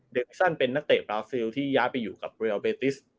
ซันเป็นนักเตะบราซิลที่ย้ายไปอยู่กับเรลเบติส